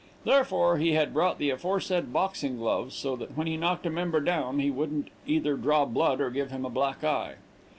Therefore, he had brought the aforesaid boxing gloves, so that when he knocked a member down, he wouldn't either draw blood or give him a black eye.